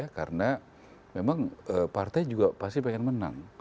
karena memang partai juga pasti ingin menang